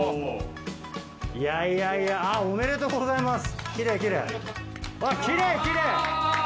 いやいやいやおめでとうございます奇麗奇麗。